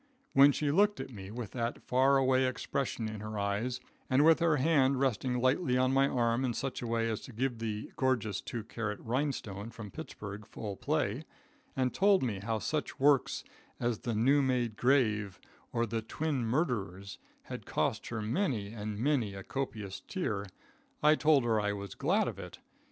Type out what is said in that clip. When she looked at me with that far away expression in her eyes, and with her hand resting lightly on my arm in such a way as to give the gorgeous two karat Rhinestone from Pittsburg full play, and told me how such works as "The New Made Grave; or The Twin Murderers" had cost her many and many a copious tear, I told her I was glad of it.